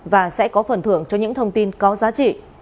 và sẽ có phần thưởng cho những thông tin có giá trị